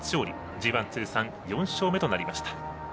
ＧＩ通算４勝目となりました。